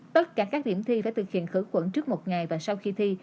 tất cả các điểm thi phải thực hiện khử khuẩn trước một ngày và sau khi thi